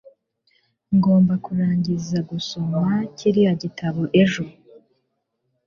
Ngomba kurangiza gusoma kiriya gitabo ejo